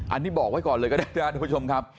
อันนี้บอกไว้ก่อนเลยก็ได้นะครับทุกผู้ชมครับ